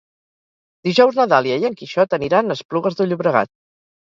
Dijous na Dàlia i en Quixot aniran a Esplugues de Llobregat.